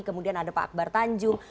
kemudian ada pak akbar tanjung